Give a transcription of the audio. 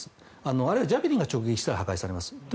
あるいはジャベリンが直撃したら破壊されます。